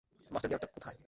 Master গিয়ারটা কোথায়?